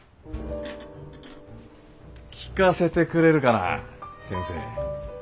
聞かせてくれるかな先生。